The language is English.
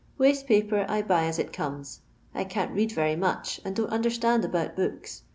Waste paper I buy as it comes. I c.in't read very much, and don't un dorstind about books.